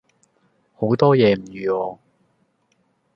好多野唔預我